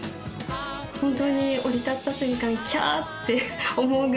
本当に降り立った瞬間キャー！って思うぐらいな